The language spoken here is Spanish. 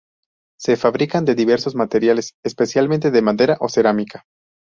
Se fabrican de diversos materiales, especialmente de madera o cerámica.